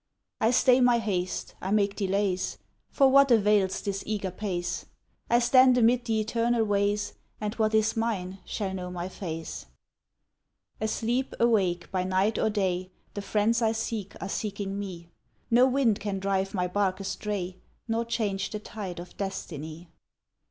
I stay my haste, I make delays, For what avails this eager pace? I stand amid the eternal ways, And what is mine shall know my face. Asleep, awake, by night or day. The friends I seek are seeking me; No wind can drive my bark astray, Nor change the tide of destiny.